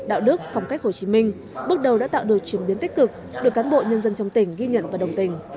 đạo đức phong cách hồ chí minh bước đầu đã tạo được chuyển biến tích cực được cán bộ nhân dân trong tỉnh ghi nhận và đồng tình